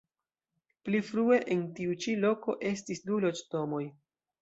Pli frue en tiu ĉi loko estis du loĝdomoj.